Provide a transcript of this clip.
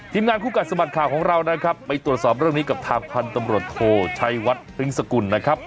ทีมงานที่ใช้สามารถขับของเรานะครับไปตรวจสอบเรื่องนี้กับทางพันธุ์ตำรวจโทรไชวทริงค์ศักรุ่นนะครับ